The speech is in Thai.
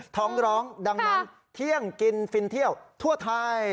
ท้องร้องดังนั้นเที่ยงกินฟินเที่ยวทั่วไทย